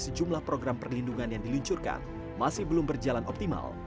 sejumlah program perlindungan yang diluncurkan masih belum berjalan optimal